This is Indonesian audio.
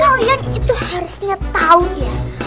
kalian itu harusnya tahu ya